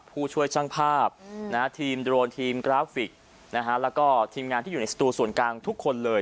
ผู้ช่วยช่างภาพทีมโดรนทีมกราฟิกแล้วก็ทีมงานที่อยู่ในสตูส่วนกลางทุกคนเลย